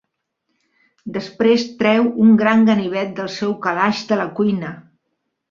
Després treu un gran ganivet del seu calaix de la cuina.